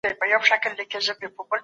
خراب غاښونه معده خرابوي.